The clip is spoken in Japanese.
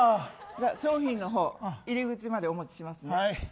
商品のほう入り口までお持ちしますね。